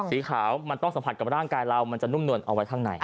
สีขาวมันต้องสัมผัสกับร่างกายเรามันจะนุ่มนวลเอาไว้ข้างใน